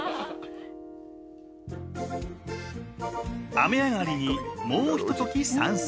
雨上がりにもうひととき散策。